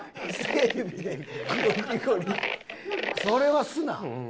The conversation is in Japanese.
それはすな。